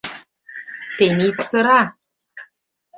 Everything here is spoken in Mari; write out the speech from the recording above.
— Темит сыра.